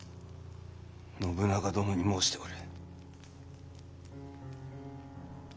信長殿に申しておる。